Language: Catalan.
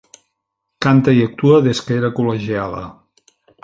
Canta i actua des que era col·legiala.